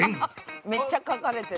めっちゃ描かれてる。